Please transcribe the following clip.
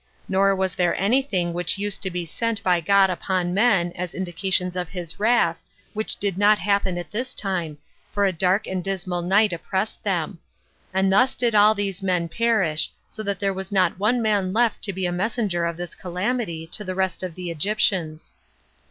Nor was there any thing which used to be sent by God upon men, as indications of his wrath, which did not happen at this time, for a dark and dismal night oppressed them. And thus did all these men perish, so that there was not one man left to be a messenger of this calamity to the rest of the Egyptians.